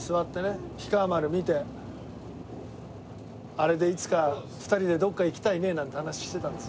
あれでいつか２人でどこか行きたいねなんて話してたんです。